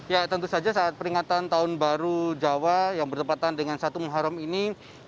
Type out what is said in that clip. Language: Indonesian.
ya tentu saja saat peringatan tahun baru jawa yang bertepatan dengan satu muharam ini